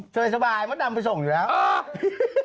เช้าให้สบายเพราะน้ำไปส่งอยู่แล้วโอ๊ย